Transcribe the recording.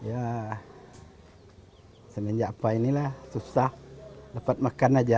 ya semenjak ini lah susah dapat makan aja